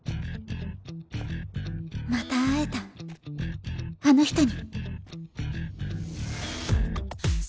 また会えたあの人に